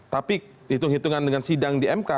tapi hitung hitungan dengan sidang di mk